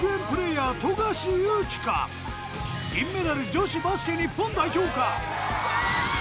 銀メダル女子バスケ日本代表か？